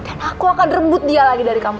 dan aku akan rebut dia lagi dari kamu